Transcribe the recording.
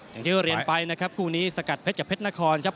อย่างที่เรียนไปนะครับคู่นี้สกัดเพชรกับเพชรนครครับ